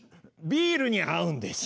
ビールに合うんです。